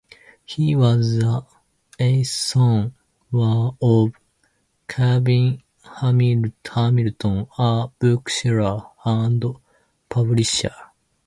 He was the eighth son of Gavin Hamilton, a bookseller and publisher.